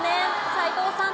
斎藤さん